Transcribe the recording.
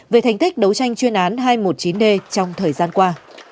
về thành tích đấu tranh chuyên án hai trăm một mươi chín d trong thời gian qua